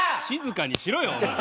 静かにしろよ。